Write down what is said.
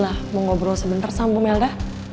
coba bu mila mau ngobrol sebentar sama bu melda